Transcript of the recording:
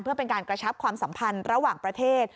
เพื่อเป็นการกระชับความสัมพันธ์ระหว่างประเทศ